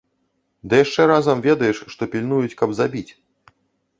Ды яшчэ разам ведаеш, што пільнуюць, каб забіць.